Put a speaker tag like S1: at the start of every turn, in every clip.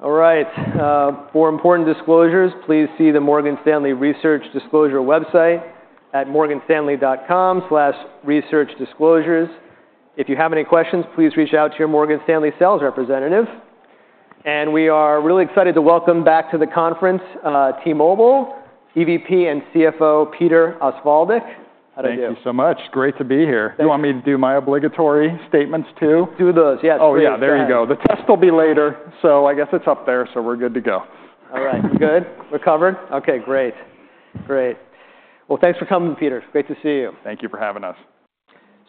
S1: All right. For important disclosures, please see the Morgan Stanley Research Disclosure website at morganstanley.com/researchdisclosures. If you have any questions, please reach out to your Morgan Stanley sales representative, and we are really excited to welcome back to the conference T-Mobile EVP and CFO Peter Osvaldik. How are you?
S2: Thank you so much. Great to be here. Do you want me to do my obligatory statements too? Do those, yes. Oh, yeah. There you go. The test will be later, so I guess it's up there, so we're good to go. All right. Good? Recovered? OK, great. Great. Well, thanks for coming, Peter. Great to see you. Thank you for having us.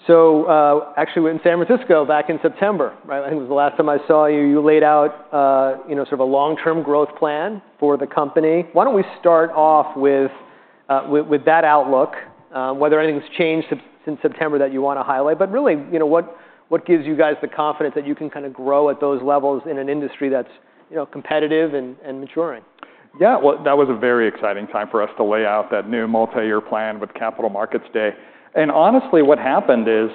S2: So actually, we were in San Francisco back in September, right? I think it was the last time I saw you. You laid out sort of a long-term growth plan for the company. Why don't we start off with that outlook, whether anything's changed since September that you want to highlight, but really what gives you guys the confidence that you can kind of grow at those levels in an industry that's competitive and maturing? Yeah. Well, that was a very exciting time for us to lay out that new multi-year plan with Capital Markets Day. And honestly, what happened is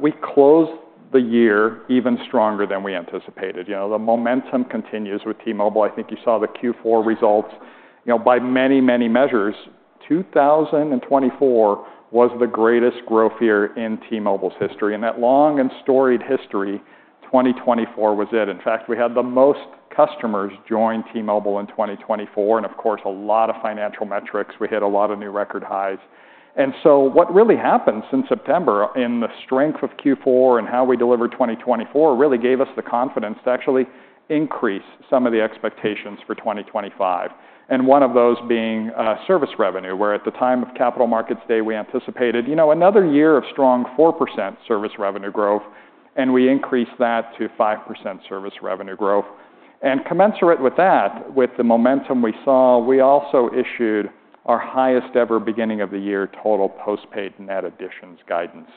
S2: we closed the year even stronger than we anticipated. The momentum continues with T-Mobile. I think you saw the Q4 results. By many, many measures, 2024 was the greatest growth year in T-Mobile's history. In that long and storied history, 2024 was it. In fact, we had the most customers join T-Mobile in 2024. And of course, a lot of financial metrics. We hit a lot of new record highs. And so what really happened since September, in the strength of Q4 and how we delivered 2024 really gave us the confidence to actually increase some of the expectations for 2025. One of those being service revenue, where at the time of Capital Markets Day we anticipated another year of strong 4% service revenue growth, and we increased that to 5% service revenue growth. Commensurate with that, with the momentum we saw, we also issued our highest ever beginning of the year total postpaid net additions guidance.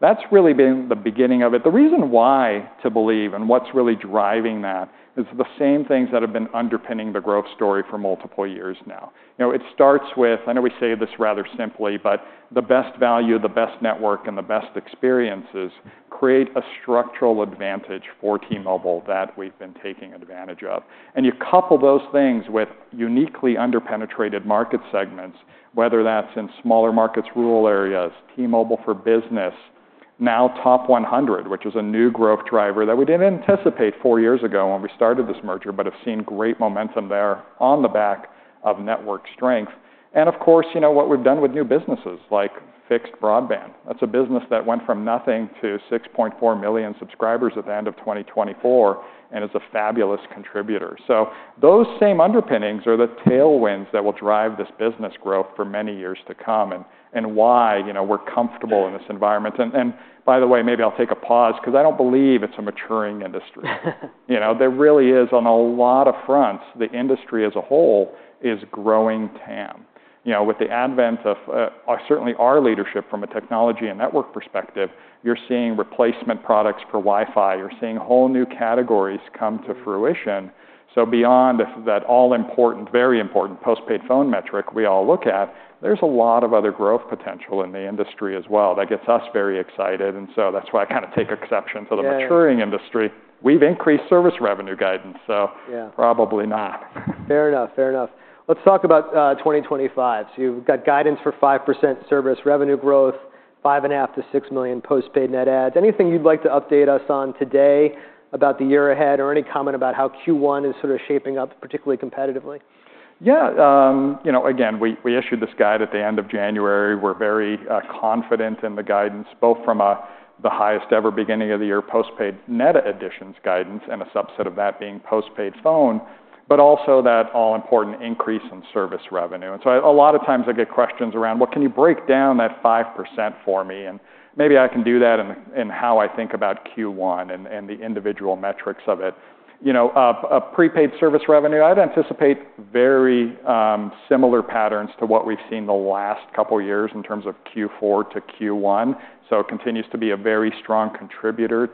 S2: That's really been the beginning of it. The reason why, to believe, and what's really driving that is the same things that have been underpinning the growth story for multiple years now. It starts with, I know we say this rather simply, but the best value, the best network, and the best experiences create a structural advantage for T-Mobile that we've been taking advantage of. And you couple those things with uniquely under-penetrated market segments, whether that's in smaller markets, rural areas, T-Mobile for Business, now Top 100, which is a new growth driver that we didn't anticipate four years ago when we started this merger, but have seen great momentum there on the back of network strength. And of course, what we've done with new businesses like fixed broadband. That's a business that went from nothing to 6.4 million subscribers at the end of 2024 and is a fabulous contributor. So those same underpinnings are the tailwinds that will drive this business growth for many years to come and why we're comfortable in this environment. And by the way, maybe I'll take a pause because I don't believe it's a maturing industry. There really is, on a lot of fronts, the industry as a whole is growing TAM. With the advent of, certainly, our leadership from a technology and network perspective, you're seeing replacement products for Wi-Fi. You're seeing whole new categories come to fruition. So beyond that all-important, very important postpaid phone metric we all look at, there's a lot of other growth potential in the industry as well that gets us very excited. And so that's why I kind of take exception to the maturing industry. We've increased service revenue guidance, so probably not. Fair enough. Fair enough. Let's talk about 2025. So you've got guidance for 5% service revenue growth, 5.5-6 million postpaid net adds. Anything you'd like to update us on today about the year ahead or any comment about how Q1 is sort of shaping up particularly competitively? Yeah. Again, we issued this guide at the end of January. We're very confident in the guidance, both from the highest ever beginning of the year postpaid net additions guidance and a subset of that being postpaid phone, but also that all-important increase in service revenue. And so a lot of times I get questions around, well, can you break down that 5% for me? And maybe I can do that in how I think about Q1 and the individual metrics of it. Prepaid service revenue, I'd anticipate very similar patterns to what we've seen the last couple of years in terms of Q4 to Q1. So it continues to be a very strong contributor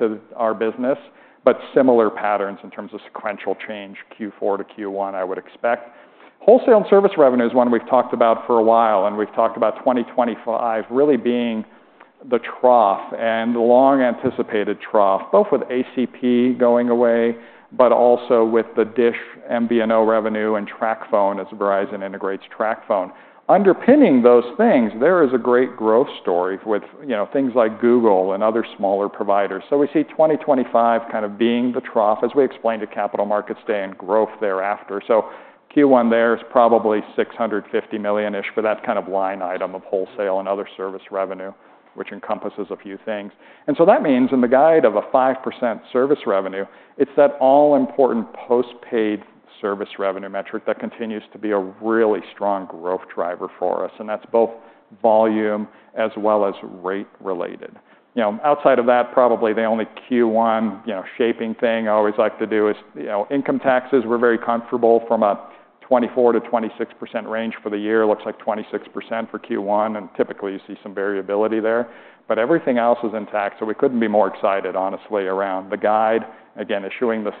S2: to our business, but similar patterns in terms of sequential change Q4 to Q1, I would expect. Wholesale and service revenue is one we've talked about for a while, and we've talked about 2025 really being the trough and the long-anticipated trough, both with ACP going away, but also with the DISH MVNO revenue and TracFone as Verizon integrates TracFone. Underpinning those things, there is a great growth story with things like Google and other smaller providers. So we see 2025 kind of being the trough, as we explained at Capital Markets Day and growth thereafter. So Q1 there is probably $650 million-ish for that kind of line item of wholesale and other service revenue, which encompasses a few things. And so that means in the guide of a 5% service revenue, it's that all-important postpaid service revenue metric that continues to be a really strong growth driver for us. And that's both volume as well as rate-related. Outside of that, probably the only Q1 shaping thing I always like to do is income taxes. We're very comfortable from a 24%-26% range for the year. It looks like 26% for Q1, and typically you see some variability there. But everything else is intact. So we couldn't be more excited, honestly, around the guide, again, issuing this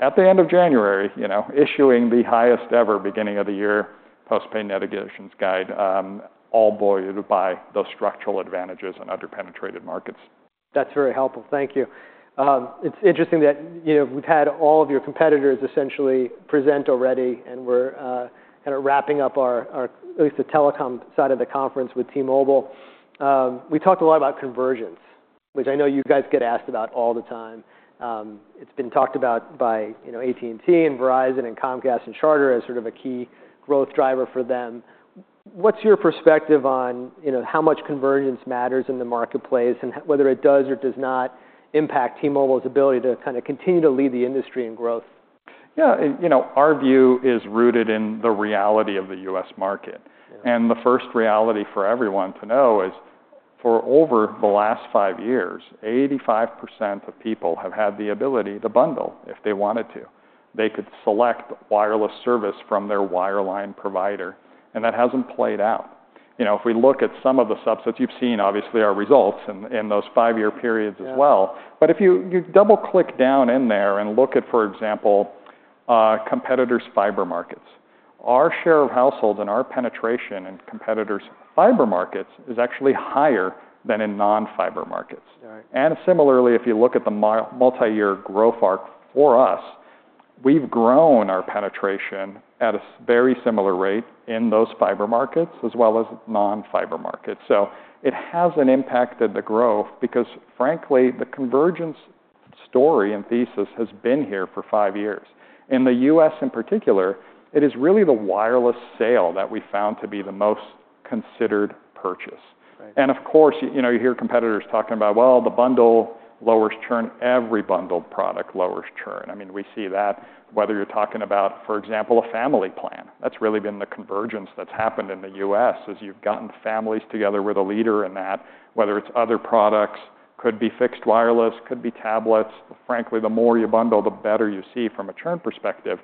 S2: at the end of January, issuing the highest ever beginning of the year postpaid net additions guide, all buoyed by those structural advantages and under-penetrated markets. That's very helpful. Thank you. It's interesting that we've had all of your competitors essentially present already, and we're kind of wrapping up our, at least the telecom side of the conference with T-Mobile. We talked a lot about convergence, which I know you guys get asked about all the time. It's been talked about by AT&T and Verizon and Comcast and Charter as sort of a key growth driver for them. What's your perspective on how much convergence matters in the marketplace and whether it does or does not impact T-Mobile's ability to kind of continue to lead the industry in growth? Yeah. Our view is rooted in the reality of the U.S. market. And the first reality for everyone to know is for over the last five years, 85% of people have had the ability to bundle if they wanted to. They could select wireless service from their wireline provider. And that hasn't played out. If we look at some of the subsets, you've seen, obviously, our results in those five-year periods as well. But if you double-click down in there and look at, for example, competitors' fiber markets, our share of households and our penetration in competitors' fiber markets is actually higher than in non-fiber markets. And similarly, if you look at the multi-year growth arc for us, we've grown our penetration at a very similar rate in those fiber markets as well as non-fiber markets. So it hasn't impacted the growth because, frankly, the convergence story and thesis has been here for five years. In the U.S., in particular, it is really the wireless sale that we found to be the most considered purchase. And of course, you hear competitors talking about, well, the bundle lowers churn. Every bundled product lowers churn. I mean, we see that whether you're talking about, for example, a family plan. That's really been the convergence that's happened in the U.S. is you've gotten families together with a leader in that, whether it's other products, could be fixed wireless, could be tablets. Frankly, the more you bundle, the better you see from a churn perspective.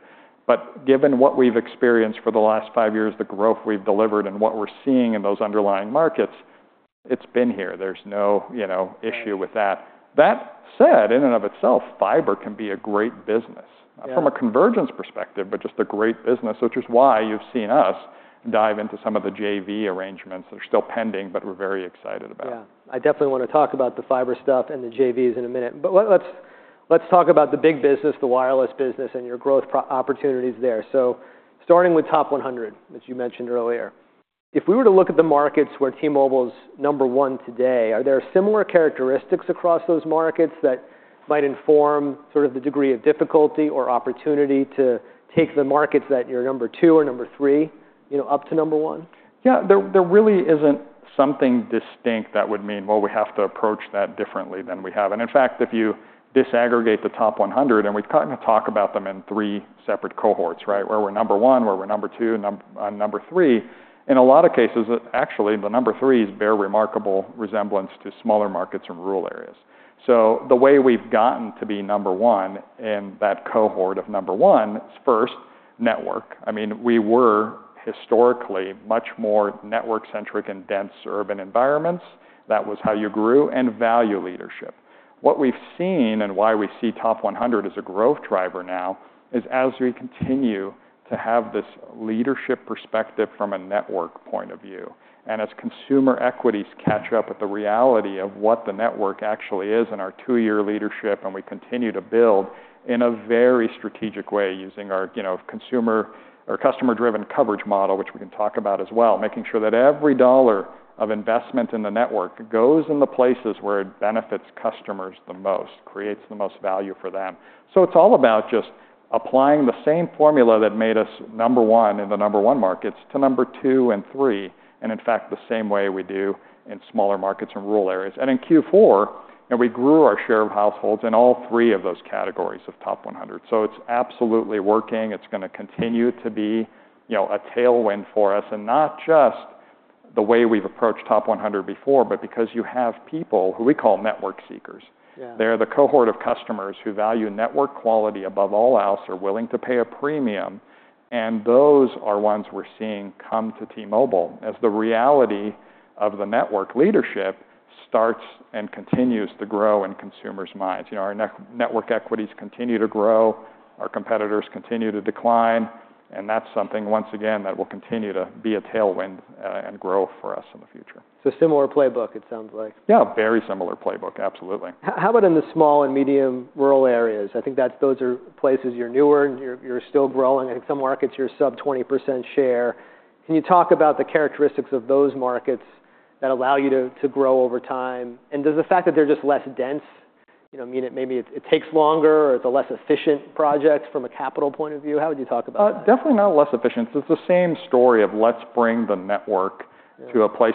S2: But given what we've experienced for the last five years, the growth we've delivered, and what we're seeing in those underlying markets, it's been here. There's no issue with that. That said, in and of itself, fiber can be a great business from a convergence perspective, but just a great business, which is why you've seen us dive into some of the JV arrangements that are still pending, but we're very excited about. Yeah. I definitely want to talk about the fiber stuff and the JVs in a minute. But let's talk about the big business, the wireless business, and your growth opportunities there. So starting with Top 100, which you mentioned earlier, if we were to look at the markets where T-Mobile is number one today, are there similar characteristics across those markets that might inform sort of the degree of difficulty or opportunity to take the markets that you're number two or number three up to number one? Yeah. There really isn't something distinct that would mean, well, we have to approach that differently than we have. And in fact, if you disaggregate the Top 100, and we kind of talk about them in three separate cohorts, right, where we're number one, where we're number two, and number three, in a lot of cases, actually, the number three is a very remarkable resemblance to smaller markets in rural areas. So the way we've gotten to be number one in that cohort of number one is first network. I mean, we were historically much more network-centric in dense urban environments. That was how you grew and value leadership. What we've seen and why we see Top 100 as a growth driver now is as we continue to have this leadership perspective from a network point of view and as consumer equities catch up with the reality of what the network actually is in our two-year leadership, and we continue to build in a very strategic way using our consumer or customer-driven coverage model, which we can talk about as well, making sure that every dollar of investment in the network goes in the places where it benefits customers the most, creates the most value for them. So it's all about just applying the same formula that made us number one in the number one markets to number two and three, and in fact, the same way we do in smaller markets in rural areas. And in Q4, we grew our share of households in all three of those categories of Top 100. So it's absolutely working. It's going to continue to be a tailwind for us, and not just the way we've approached Top 100 before, but because you have people who we call network seekers. They're the cohort of customers who value network quality above all else, are willing to pay a premium. And those are ones we're seeing come to T-Mobile as the reality of the network leadership starts and continues to grow in consumers' minds. Our network equities continue to grow. Our competitors continue to decline. And that's something, once again, that will continue to be a tailwind and grow for us in the future. So a similar playbook, it sounds like. Yeah, very similar playbook. Absolutely. How about in the small and medium rural areas? I think those are places you're newer, and you're still growing. I think some markets you're sub-20% share. Can you talk about the characteristics of those markets that allow you to grow over time? And does the fact that they're just less dense mean it maybe it takes longer or it's a less efficient project from a capital point of view? How would you talk about that? Definitely not less efficient. It's the same story of let's bring the network to a place.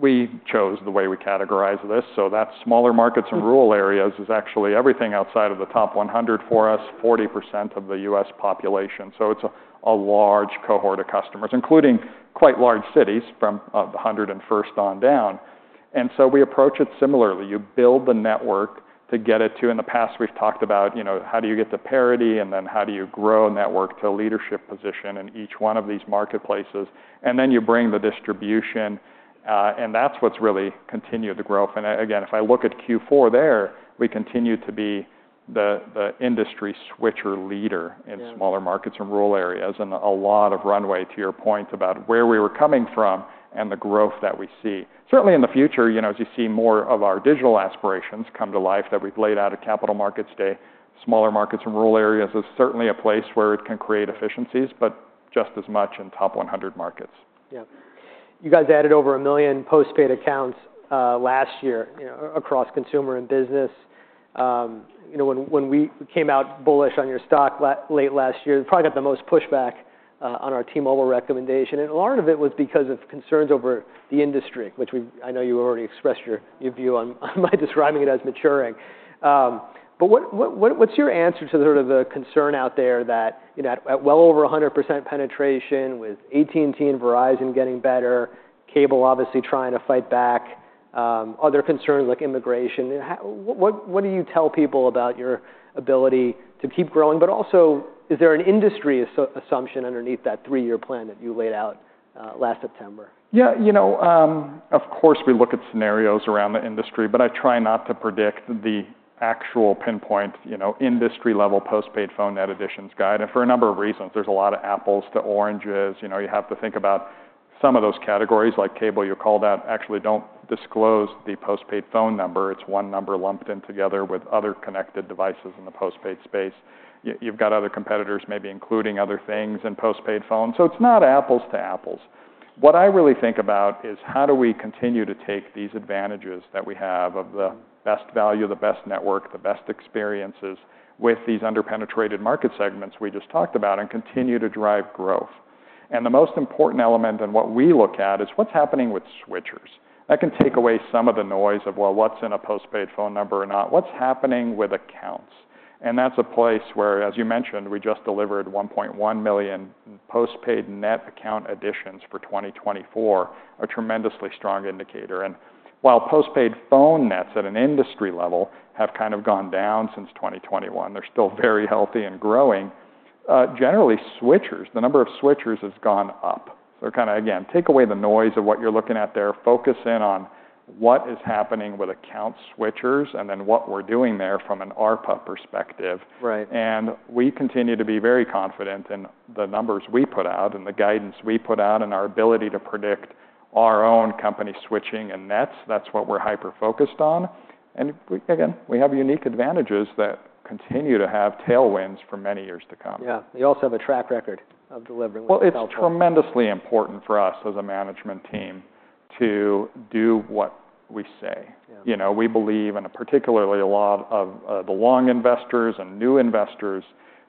S2: We chose the way we categorize this. So that's smaller markets in rural areas is actually everything outside of the Top 100 for us, 40% of the U.S. population. So it's a large cohort of customers, including quite large cities from 101st on down. And so we approach it similarly. You build the network to get it to, in the past, we've talked about how do you get to parity, and then how do you grow a network to a leadership position in each one of these marketplaces? And then you bring the distribution. And that's what's really continued the growth. And again, if I look at Q4 there, we continue to be the industry switcher leader in smaller markets and rural areas and a lot of runway, to your point, about where we were coming from and the growth that we see. Certainly in the future, as you see more of our digital aspirations come to life that we've laid out at Capital Markets Day, smaller markets and rural areas is certainly a place where it can create efficiencies, but just as much in Top 100 markets. Yeah. You guys added over a million postpaid accounts last year across consumer and business. When we came out bullish on your stock late last year, we probably got the most pushback on our T-Mobile recommendation. And a lot of it was because of concerns over the industry, which I know you already expressed your view on by describing it as maturing. But what's your answer to sort of the concern out there that at well over 100% penetration with AT&T and Verizon getting better, cable obviously trying to fight back, other concerns like immigration? What do you tell people about your ability to keep growing? But also, is there an industry assumption underneath that three-year plan that you laid out last September? Yeah. Of course, we look at scenarios around the industry, but I try not to predict the actual pinpoint industry-level postpaid phone net additions guide, and for a number of reasons, there's a lot of apples to oranges. You have to think about some of those categories like cable, you call that actually don't disclose the postpaid phone number. It's one number lumped in together with other connected devices in the postpaid space. You've got other competitors maybe including other things in postpaid phones. So it's not apples to apples. What I really think about is how do we continue to take these advantages that we have of the best value, the best network, the best experiences with these under-penetrated market segments we just talked about and continue to drive growth, and the most important element in what we look at is what's happening with switchers. That can take away some of the noise of, well, what's in a postpaid phone number or not? What's happening with accounts? And that's a place where, as you mentioned, we just delivered 1.1 million postpaid net account additions for 2024, a tremendously strong indicator. And while postpaid phone nets at an industry level have kind of gone down since 2021, they're still very healthy and growing, generally switchers, the number of switchers has gone up. So kind of, again, take away the noise of what you're looking at there, focus in on what is happening with account switchers and then what we're doing there from an ARPA perspective. And we continue to be very confident in the numbers we put out and the guidance we put out and our ability to predict our own company switching and nets. That's what we're hyper-focused on. Again, we have unique advantages that continue to have tailwinds for many years to come. Yeah. You also have a track record of delivering what you've outlined. It's tremendously important for us as a management team to do what we say. We believe, and particularly a lot of the long investors and new investors,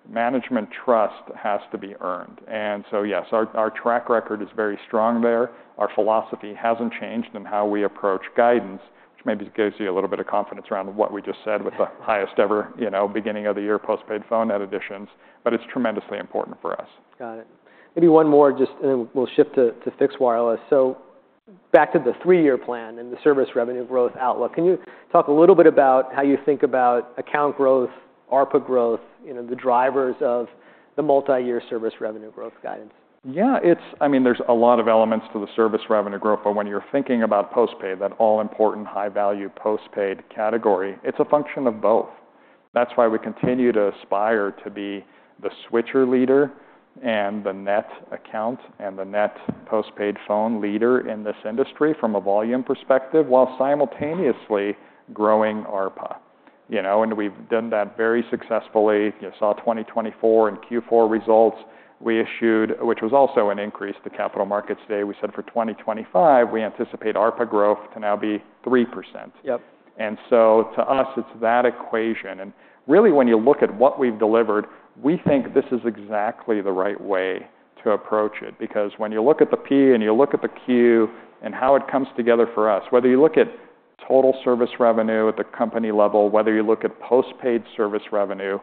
S2: management trust has to be earned. And so yes, our track record is very strong there. Our philosophy hasn't changed in how we approach guidance, which maybe gives you a little bit of confidence around what we just said with the highest ever beginning of the year postpaid phone net additions. But it's tremendously important for us. Got it. Maybe one more, just we'll shift to fixed wireless. So back to the three-year plan and the service revenue growth outlook. Can you talk a little bit about how you think about account growth, ARPA growth, the drivers of the multi-year service revenue growth guidance? Yeah. I mean, there's a lot of elements to the service revenue growth. But when you're thinking about postpaid, that all-important high-value postpaid category, it's a function of both. That's why we continue to aspire to be the switcher leader and the net account and the net postpaid phone leader in this industry from a volume perspective while simultaneously growing ARPA. And we've done that very successfully. You saw 2024 and Q4 results we issued, which was also an increase to capital markets day. We said for 2025, we anticipate ARPA growth to now be 3%. And so to us, it's that equation. And really, when you look at what we've delivered, we think this is exactly the right way to approach it. Because when you look at the P and you look at the Q and how it comes together for us, whether you look at total service revenue at the company level, whether you look at postpaid service revenue,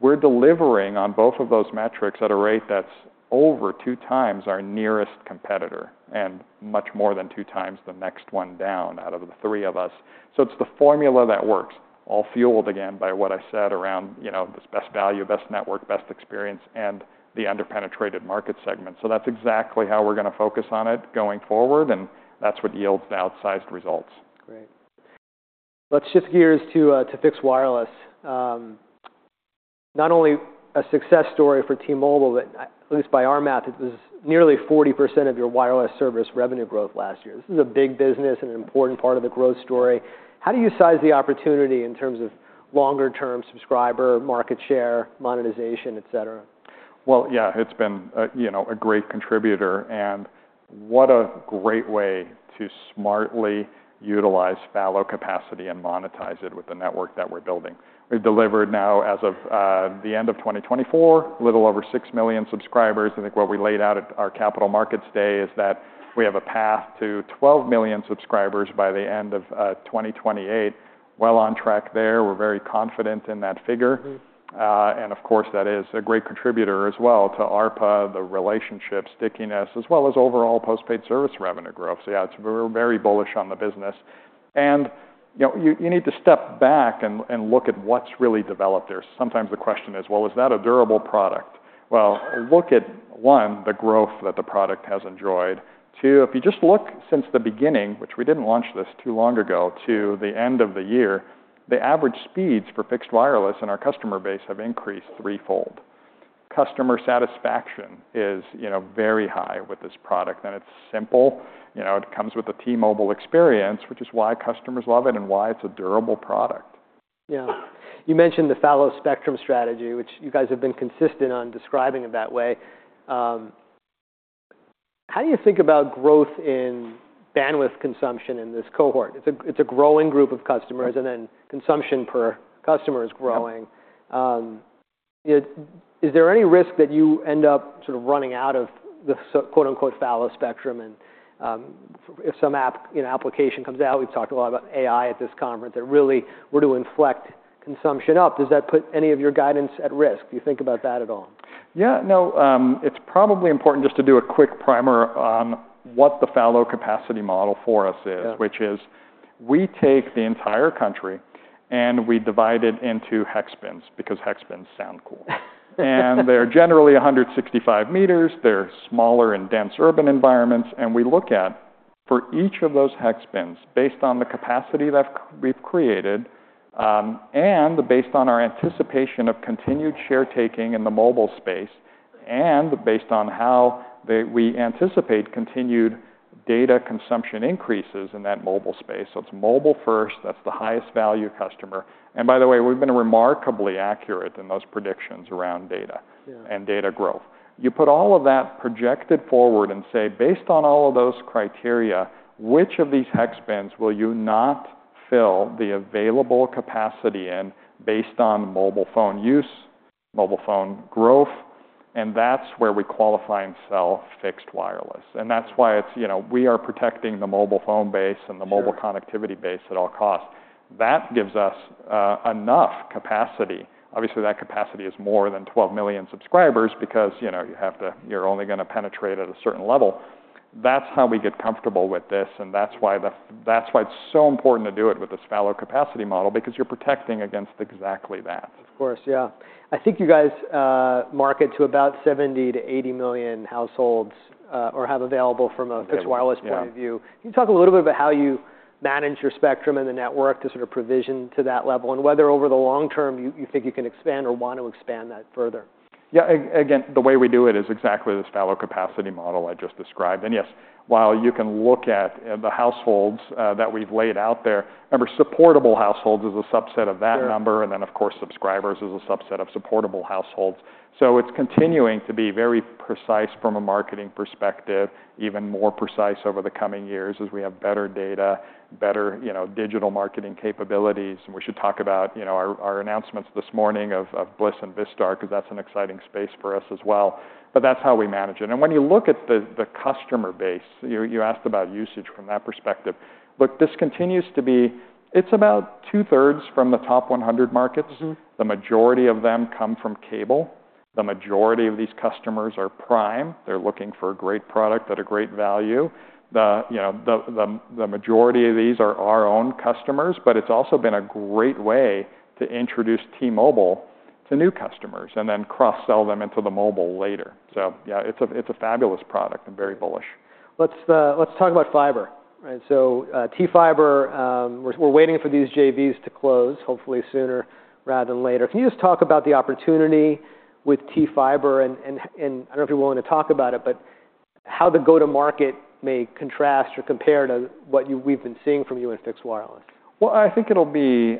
S2: we're delivering on both of those metrics at a rate that's over two times our nearest competitor and much more than two times the next one down out of the three of us. So it's the formula that works, all fueled again by what I said around this best value, best network, best experience, and the under-penetrated market segment. So that's exactly how we're going to focus on it going forward. And that's what yields the outsized results. Great. Let's shift gears to fixed wireless. Not only a success story for T-Mobile, but at least by our math, it was nearly 40% of your wireless service revenue growth last year. This is a big business and an important part of the growth story. How do you size the opportunity in terms of longer-term subscriber market share, monetization, etc.? Well, yeah, it's been a great contributor. And what a great way to smartly utilize fallow capacity and monetize it with the network that we're building. We've delivered now, as of the end of 2024, a little over six million subscribers. I think what we laid out at our Capital Markets Day is that we have a path to 12 million subscribers by the end of 2028. Well on track there. We're very confident in that figure. And of course, that is a great contributor as well to ARPA, the relationship, stickiness, as well as overall postpaid service revenue growth. So yeah, we're very bullish on the business. And you need to step back and look at what's really developed there. Sometimes the question is, well, is that a durable product? Well, look at, one, the growth that the product has enjoyed. Two, if you just look since the beginning, which we didn't launch this too long ago, to the end of the year, the average speeds for fixed wireless in our customer base have increased threefold. Customer satisfaction is very high with this product. And it's simple. It comes with a T-Mobile experience, which is why customers love it and why it's a durable product. Yeah. You mentioned the fallow spectrum strategy, which you guys have been consistent on describing in that way. How do you think about growth in bandwidth consumption in this cohort? It's a growing group of customers, and then consumption per customer is growing. Is there any risk that you end up sort of running out of the "fallow spectrum"? And if some application comes out, we've talked a lot about AI at this conference, that really were to inflect consumption up. Does that put any of your guidance at risk? Do you think about that at all? Yeah. No, it's probably important just to do a quick primer on what the fallow capacity model for us is, which is we take the entire country and we divide it into hex bins because hex bins sound cool. And they're generally 165 meters. They're smaller in dense urban environments. And we look at for each of those hex bins based on the capacity that we've created and based on our anticipation of continued share taking in the mobile space and based on how we anticipate continued data consumption increases in that mobile space. So it's mobile first. That's the highest value customer. And by the way, we've been remarkably accurate in those predictions around data and data growth. You put all of that projected forward and say, based on all of those criteria, which of these hex bins will you not fill the available capacity in based on mobile phone use, mobile phone growth? And that's where we qualify and sell fixed wireless. And that's why we are protecting the mobile phone base and the mobile connectivity base at all costs. That gives us enough capacity. Obviously, that capacity is more than 12 million subscribers because you have to, you're only going to penetrate at a certain level. That's how we get comfortable with this. And that's why it's so important to do it with this fallow capacity model because you're protecting against exactly that. Of course, yeah. I think you guys market to about 70-80 million households or have available from a fixed wireless point of view. Can you talk a little bit about how you manage your spectrum in the network to sort of provision to that level and whether over the long term you think you can expand or want to expand that further? Yeah. Again, the way we do it is exactly this fallow capacity model I just described. And yes, while you can look at the households that we've laid out there, remember, supportable households is a subset of that number. And then, of course, subscribers is a subset of supportable households. So it's continuing to be very precise from a marketing perspective, even more precise over the coming years as we have better data, better digital marketing capabilities. And we should talk about our announcements this morning of Blis and Vistar because that's an exciting space for us as well. But that's how we manage it. And when you look at the customer base, you asked about usage from that perspective. Look, this continues to be. It's about two-thirds from the Top 100 markets. The majority of them come from cable. The majority of these customers are prime. They're looking for a great product at a great value. The majority of these are our own customers. But it's also been a great way to introduce T-Mobile to new customers and then cross-sell them into the mobile later. So yeah, it's a fabulous product and very bullish. Let's talk about fiber. So T-Fiber, we're waiting for these JVs to close, hopefully sooner rather than later. Can you just talk about the opportunity with T-Fiber? And I don't know if you're willing to talk about it, but how the go-to-market may contrast or compare to what we've been seeing from you in fixed wireless? I think it'll be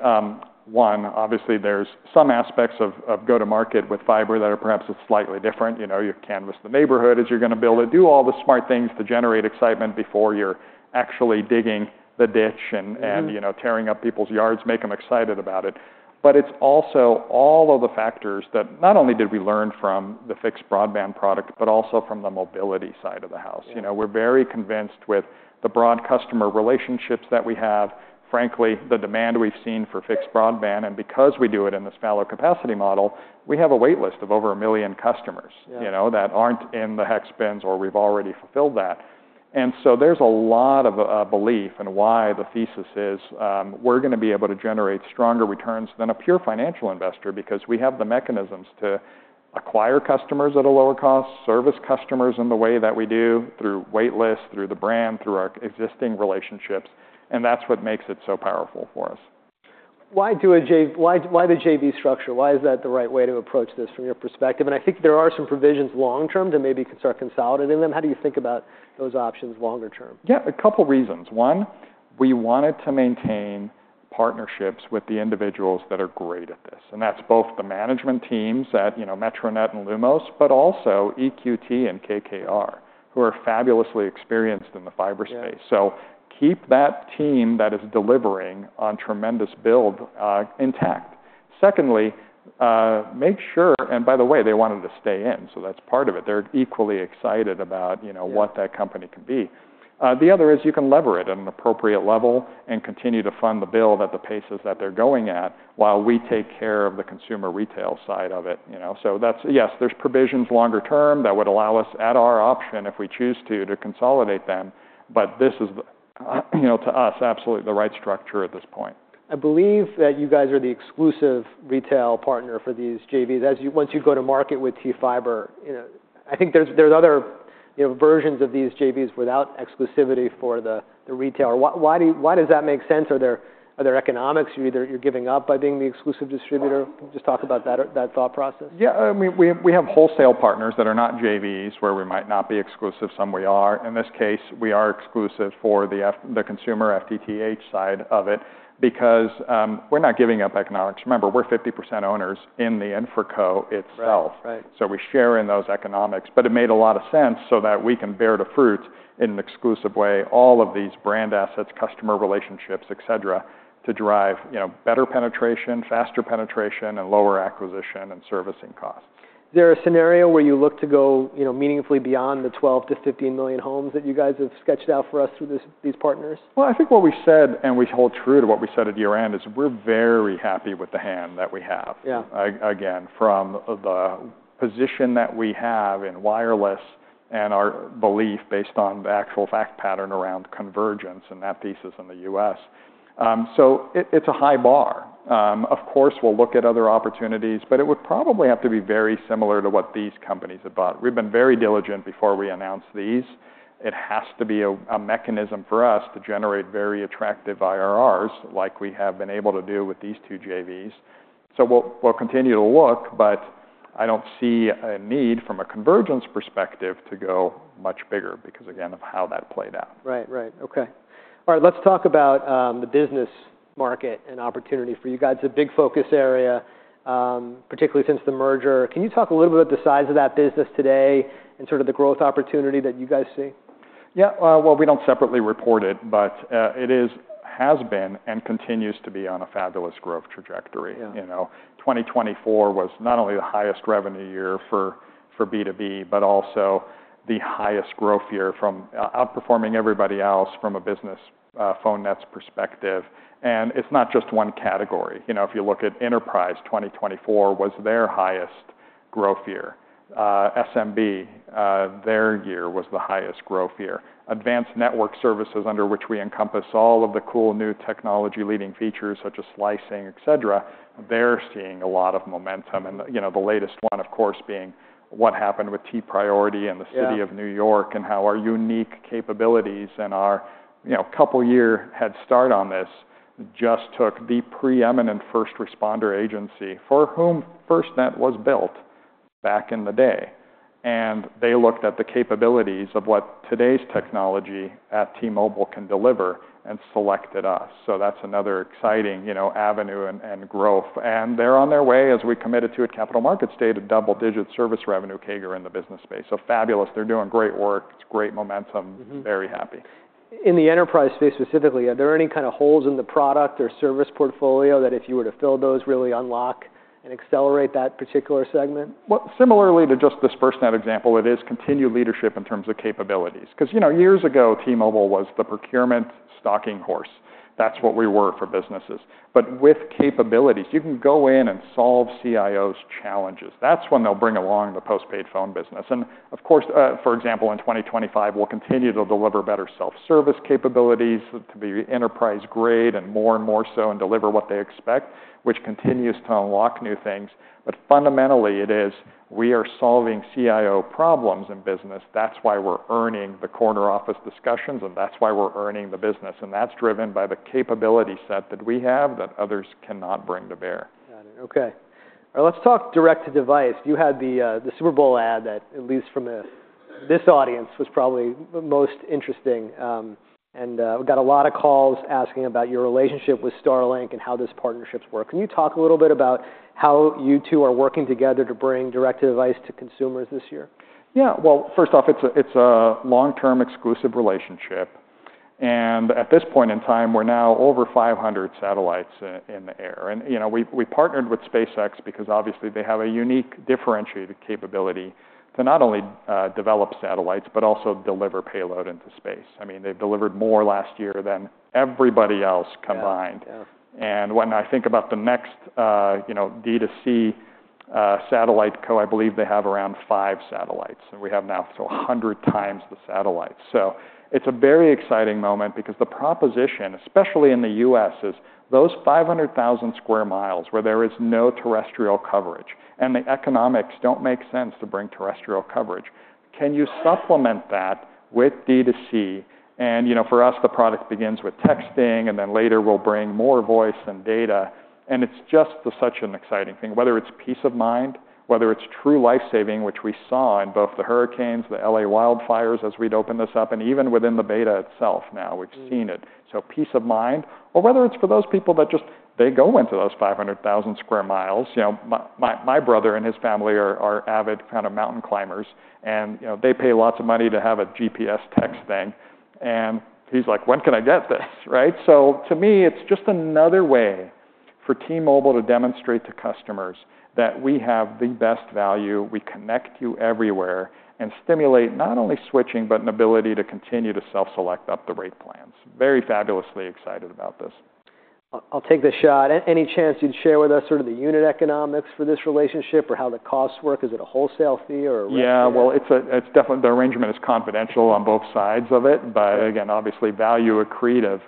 S2: one, obviously, there's some aspects of go-to-market with fiber that are perhaps slightly different. You canvas the neighborhood as you're going to build it, do all the smart things to generate excitement before you're actually digging the ditch and tearing up people's yards, make them excited about it. But it's also all of the factors that not only did we learn from the fixed broadband product, but also from the mobility side of the house. We're very convinced with the broad customer relationships that we have, frankly, the demand we've seen for fixed broadband. And because we do it in this fallow capacity model, we have a waitlist of over a million customers that aren't in the hex bins or we've already fulfilled that. And so there's a lot of belief in why the thesis is we're going to be able to generate stronger returns than a pure financial investor because we have the mechanisms to acquire customers at a lower cost, service customers in the way that we do through waitlist, through the brand, through our existing relationships. And that's what makes it so powerful for us. Why the JV structure? Why is that the right way to approach this from your perspective? And I think there are some provisions long term to maybe start consolidating them. How do you think about those options longer term? Yeah, a couple of reasons. One, we wanted to maintain partnerships with the individuals that are great at this. And that's both the management teams at Metronet and Lumos, but also EQT and KKR, who are fabulously experienced in the fiber space. So keep that team that is delivering on tremendous build intact. Secondly, make sure, and by the way, they wanted to stay in. So that's part of it. They're equally excited about what that company can be. The other is you can lever it at an appropriate level and continue to fund the bill at the paces that they're going at while we take care of the consumer retail side of it. So yes, there's provisions longer term that would allow us, at our option, if we choose to, to consolidate them. But this is, to us, absolutely the right structure at this point. I believe that you guys are the exclusive retail partner for these JVs. Once you go to market with T-Fiber, I think there's other versions of these JVs without exclusivity for the retailer. Why does that make sense? Are there economics you're giving up by being the exclusive distributor? Just talk about that thought process. Yeah. I mean, we have wholesale partners that are not JVs where we might not be exclusive. Some we are. In this case, we are exclusive for the consumer FTTH side of it because we're not giving up economics. Remember, we're 50% owners in the InfraCo itself. So we share in those economics. But it made a lot of sense so that we can bear the fruit in an exclusive way, all of these brand assets, customer relationships, etc., to drive better penetration, faster penetration, and lower acquisition and servicing costs. Is there a scenario where you look to go meaningfully beyond the 12 to 15 million homes that you guys have sketched out for us through these partners? I think what we said, and we hold true to what we said at year-end, is we're very happy with the hand that we have, again, from the position that we have in wireless and our belief based on the actual fact pattern around convergence and that thesis in the U.S. It's a high bar. Of course, we'll look at other opportunities, but it would probably have to be very similar to what these companies have bought. We've been very diligent before we announced these. It has to be a mechanism for us to generate very attractive IRRs like we have been able to do with these two JVs. We'll continue to look, but I don't see a need from a convergence perspective to go much bigger because, again, of how that played out. Right, right. Okay. All right, let's talk about the business market and opportunity for you guys. It's a big focus area, particularly since the merger. Can you talk a little bit about the size of that business today and sort of the growth opportunity that you guys see? Yeah. Well, we don't separately report it, but it has been and continues to be on a fabulous growth trajectory. 2024 was not only the highest revenue year for B2B, but also the highest growth year from outperforming everybody else from a business phone nets perspective. And it's not just one category. If you look at enterprise, 2024 was their highest growth year. SMB, their year was the highest growth year. Advanced network services under which we encompass all of the cool new technology leading features such as slicing, etc., they're seeing a lot of momentum. And the latest one, of course, being what happened with T-Priority and the City of New York and how our unique capabilities and our couple-year head start on this just took the preeminent first responder agency for whom FirstNet was built back in the day. And they looked at the capabilities of what today's technology at T-Mobile can deliver and selected us. So that's another exciting avenue and growth. And they're on their way, as we committed to at Capital Markets Day, to double-digit service revenue CAGR in the business space. So fabulous. They're doing great work. It's great momentum. Very happy. In the enterprise space specifically, are there any kind of holes in the product or service portfolio that if you were to fill those really unlock and accelerate that particular segment? Similarly to just this FirstNet example, it is continued leadership in terms of capabilities. Because years ago, T-Mobile was the procurement workhorse. That's what we were for businesses. But with capabilities, you can go in and solve CIOs' challenges. That's when they'll bring along the postpaid phone business. And of course, for example, in 2025, we'll continue to deliver better self-service capabilities to be enterprise-grade and more and more so and deliver what they expect, which continues to unlock new things. But fundamentally, it is we are solving CIO problems in business. That's why we're earning the corner office discussions, and that's why we're earning the business. And that's driven by the capability set that we have that others cannot bring to bear. Got it. Okay. All right, let's talk Direct to Device. You had the Super Bowl ad that at least from this audience was probably most interesting. And we got a lot of calls asking about your relationship with Starlink and how this partnership's worked. Can you talk a little bit about how you two are working together to bring Direct to Device to consumers this year? Yeah. Well, first off, it's a long-term exclusive relationship. And at this point in time, we're now over 500 satellites in the air. And we partnered with SpaceX because obviously they have a unique differentiated capability to not only develop satellites, but also deliver payload into space. I mean, they've delivered more last year than everybody else combined. And when I think about the next D2C satellite company, I believe they have around five satellites. And we have now 100 times the satellites. So it's a very exciting moment because the proposition, especially in the U.S., is those 500,000 sq mi where there is no terrestrial coverage and the economics don't make sense to bring terrestrial coverage. Can you supplement that with D2C? And for us, the product begins with texting, and then later we'll bring more voice and data. It's just such an exciting thing, whether it's peace of mind, whether it's true lifesaving, which we saw in both the hurricanes, the LA wildfires as we'd opened this up, and even within the beta itself now, we've seen it. So peace of mind, or whether it's for those people that just, they go into those 500,000 sq mi. My brother and his family are avid kind of mountain climbers, and they pay lots of money to have a GPS text thing. And he's like, "When can I get this?" Right? So to me, it's just another way for T-Mobile to demonstrate to customers that we have the best value. We connect you everywhere and stimulate not only switching, but an ability to continue to self-select up the rate plans. Very fabulously excited about this. I'll take the shot. Any chance you'd share with us sort of the unit economics for this relationship or how the costs work? Is it a wholesale fee or a rate plan? Yeah, well, the arrangement is confidential on both sides of it. But again, obviously value accretive.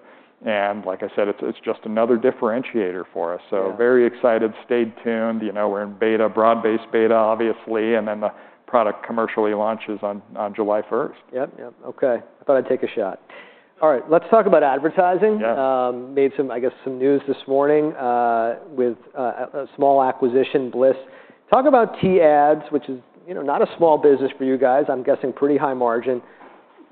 S2: And like I said, it's just another differentiator for us. So very excited. Stay tuned. We're in beta, broad-based beta, obviously. And then the product commercially launches on July 1st. Yep, yep. Okay. I thought I'd take a shot. All right, let's talk about advertising. Made some, I guess, some news this morning with a small acquisition, Blis. Talk about T-Ads, which is not a small business for you guys. I'm guessing pretty high margin.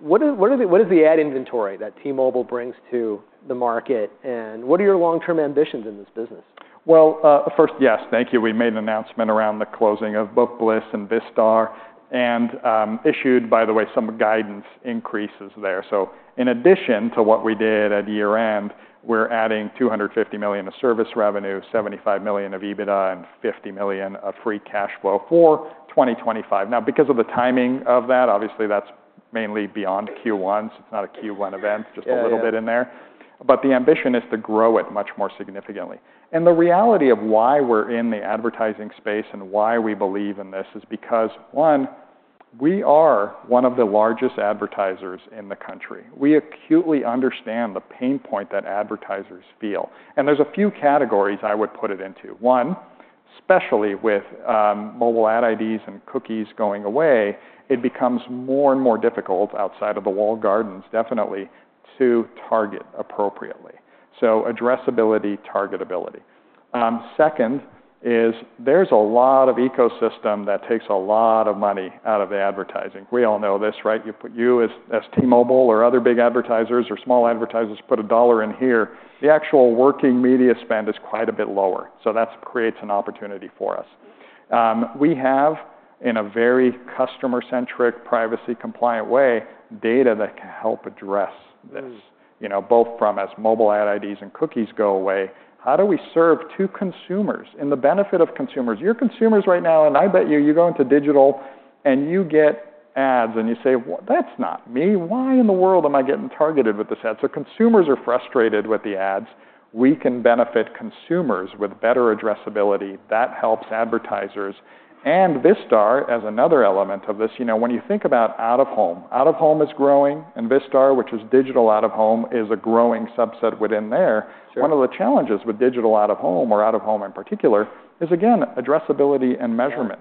S2: What is the ad inventory that T-Mobile brings to the market? And what are your long-term ambitions in this business? First, yes, thank you. We made an announcement around the closing of both Blis and Vistar and issued, by the way, some guidance increases there. So in addition to what we did at year-end, we're adding $250 million of service revenue, $75 million of EBITDA, and $50 million of free cash flow for 2025. Now, because of the timing of that, obviously that's mainly beyond Q1. It's not a Q1 event, just a little bit in there. But the ambition is to grow it much more significantly. The reality of why we're in the advertising space and why we believe in this is because, one, we are one of the largest advertisers in the country. We acutely understand the pain point that advertisers feel. There's a few categories I would put it into. One, especially with mobile ad IDs and cookies going away, it becomes more and more difficult outside of the walled gardens, definitely, to target appropriately. So addressability, targetability. Second is there's a lot of ecosystem that takes a lot of money out of advertising. We all know this, right? You as T-Mobile or other big advertisers or small advertisers put a dollar in here. The actual working media spend is quite a bit lower. So that creates an opportunity for us. We have, in a very customer-centric, privacy-compliant way, data that can help address this, both from as mobile ad IDs and cookies go away. How do we serve to consumers in the benefit of consumers? You're consumers right now, and I bet you you go into digital and you get ads and you say, "That's not me. Why in the world am I getting targeted with this ad?" So consumers are frustrated with the ads. We can benefit consumers with better addressability. That helps advertisers. And Vistar as another element of this. When you think about out of home, out of home is growing, and Vistar, which is digital out of home, is a growing subset within there. One of the challenges with digital out of home or out of home in particular is, again, addressability and measurement.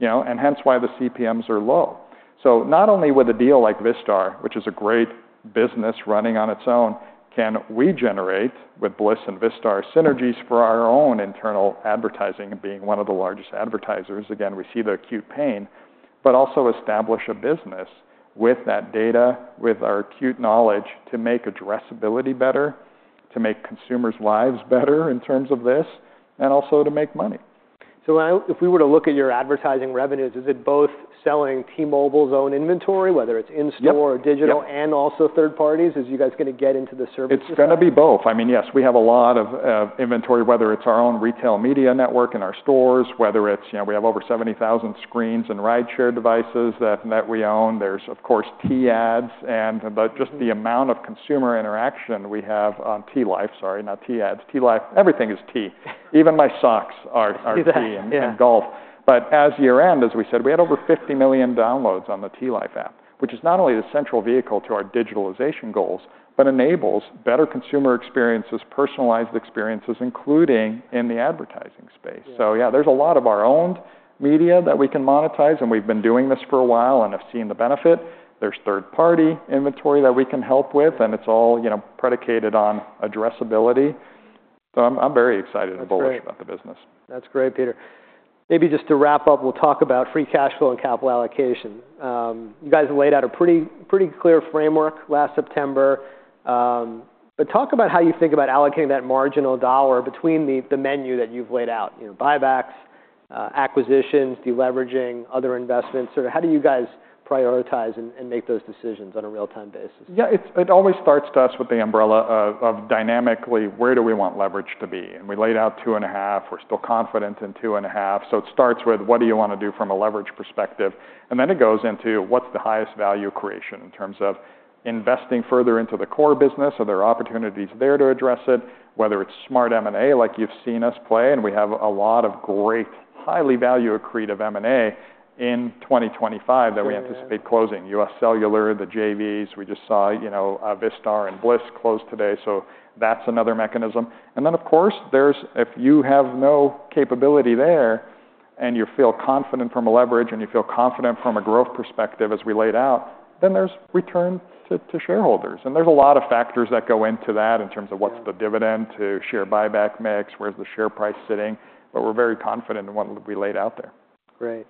S2: And hence why the CPMs are low. So not only with a deal like Vistar, which is a great business running on its own, can we generate with Blis and Vistar synergies for our own internal advertising and being one of the largest advertisers? Again, we see the acute pain, but also establish a business with that data, with our acute knowledge to make addressability better, to make consumers' lives better in terms of this, and also to make money. So if we were to look at your advertising revenues, is it both selling T-Mobile's own inventory, whether it's in-store or digital, and also third parties? Is you guys going to get into the service? It's going to be both. I mean, yes, we have a lot of inventory, whether it's our own retail media network and our stores, whether it's we have over 70,000 screens and rideshare devices that we own. There's, of course, T-Ads. And just the amount of consumer interaction we have on T-Life, sorry, not T-Ads. T-Life, everything is T. Even my socks are T and golf. But as year-end, as we said, we had over 50 million downloads on the T-Life app, which is not only the central vehicle to our digitalization goals, but enables better consumer experiences, personalized experiences, including in the advertising space. So yeah, there's a lot of our owned media that we can monetize, and we've been doing this for a while and have seen the benefit. There's third-party inventory that we can help with, and it's all predicated on addressability. I'm very excited and bullish about the business. That's great, Peter. Maybe just to wrap up, we'll talk about free cash flow and capital allocation. You guys laid out a pretty clear framework last September. But talk about how you think about allocating that marginal dollar between the menu that you've laid out, buybacks, acquisitions, deleveraging, other investments. How do you guys prioritize and make those decisions on a real-time basis? Yeah, it always starts to us with the umbrella of dynamically, where do we want leverage to be? And we laid out two and a half. We're still confident in two and a half. So it starts with what do you want to do from a leverage perspective? And then it goes into what's the highest value creation in terms of investing further into the core business? Are there opportunities there to address it? Whether it's smart M&A like you've seen us play, and we have a lot of great, highly value accretive M&A in 2025 that we anticipate closing UScellular, the JVs. We just saw Vistar and Blis close today. So that's another mechanism. And then, of course, if you have no capability there and you feel confident from a leverage and you feel confident from a growth perspective as we laid out, then there's return to shareholders. And there's a lot of factors that go into that in terms of what's the dividend to share buyback mix, where's the share price sitting? But we're very confident in what we laid out there. Great.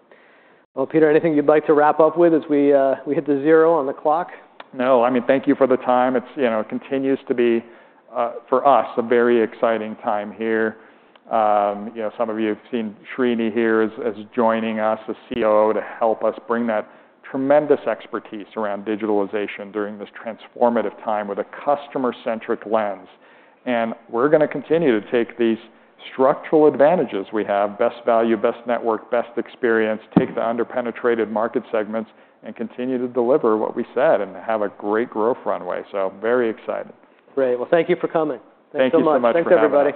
S2: Well, Peter, anything you'd like to wrap up with as we hit the zero on the clock? No. I mean, thank you for the time. It continues to be, for us, a very exciting time here. Some of you have seen Srini here as joining us as COO to help us bring that tremendous expertise around digitalization during this transformative time with a customer-centric lens. And we're going to continue to take these structural advantages we have, best value, best network, best experience, take the under-penetrated market segments, and continue to deliver what we said and have a great growth runway. So very excited. Great. Well, thank you for coming. Thank you so much, everyone.